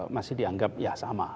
masih dianggap ya sama